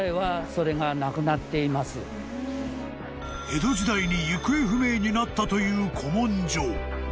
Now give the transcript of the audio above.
［江戸時代に行方不明になったという古文書］